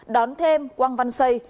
đón thêm quang văn xây